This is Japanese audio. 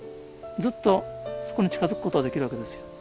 ずっとそこに近づくことはできるわけですよ。